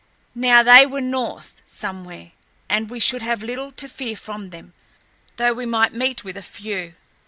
Now they were north somewhere, and we should have little to fear from them, though we might meet with a few.